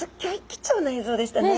貴重な映像でしたね。